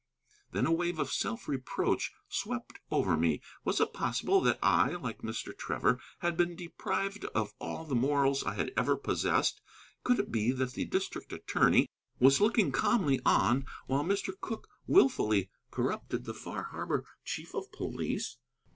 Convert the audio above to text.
Then a wave of self reproach swept over me. Was it possible that I, like Mr. Trevor, had been deprived of all the morals I had ever possessed? Could it be that the district attorney was looking calmly on while Mr. Cooke wilfully corrupted the Far Harbor chief of police?